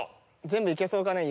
全部いけそうかね？